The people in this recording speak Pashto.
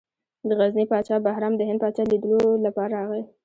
د غزني پاچا بهرام د هند پاچا لیدلو لپاره راغی.